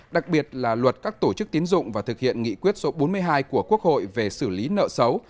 đặc biệt là luật các tổ chức tiến dụng và thực hiện nghị quyết số bốn mươi hai của quốc hội về xử lý nợ xấu